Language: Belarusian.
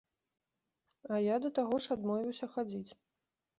А я, да таго ж, адмовіўся хадзіць.